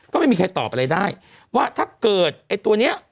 ก็ไม่มีใครตอบอะไรได้ว่าถ้าเกิดไอ้ตัวเนี้ย